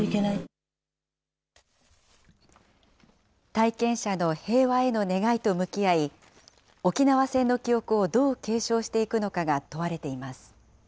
体験者の平和への願いと向き合い、沖縄戦の記憶をどう継承していくのかが問われています。